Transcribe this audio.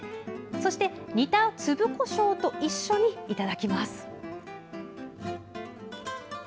そして、煮た粒こしょうと一緒にいただきます。